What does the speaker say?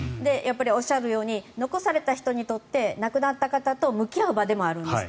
おっしゃるように残された人にとって亡くなった方と向き合う場でもあるんです。